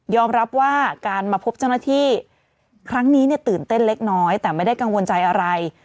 รับว่าการมาพบเจ้าหน้าที่ครั้งนี้เนี่ยตื่นเต้นเล็กน้อยแต่ไม่ได้กังวลใจอะไร